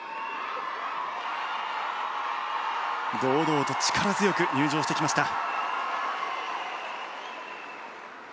堂々と力強く入場してきました。